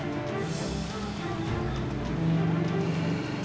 aku itu perempuan gak bersuami